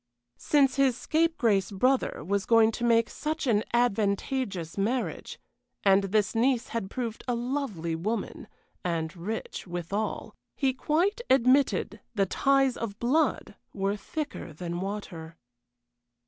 Since his scapegrace brother was going to make such an advantageous marriage, and this niece had proved a lovely woman, and rich withal, he quite admitted the ties of blood were thicker than water.